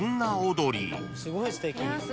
すごいすてき。